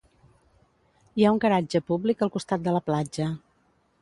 Hi ha un garatge públic al costat de la platja.